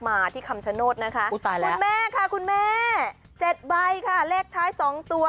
มาที่คำชโนธนะคะคุณแม่ค่ะคุณแม่๗ใบค่ะเลขท้าย๒ตัว